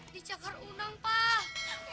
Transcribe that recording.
dijakar unang pak